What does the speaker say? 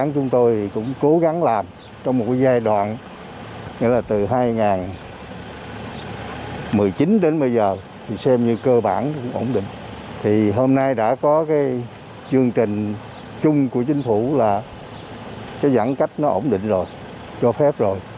chúng của chính phủ là cái giãn cách nó ổn định rồi cho phép rồi